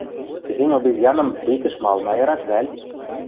Техень обезьяным РИК-ӹш малын айырат вӓл?